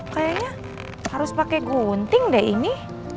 kayaknya harus pakai gunting deh ini